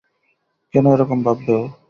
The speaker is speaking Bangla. কেন এরকম ভাববে ও?